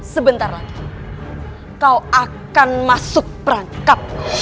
sebentar lagi kau akan masuk perangkap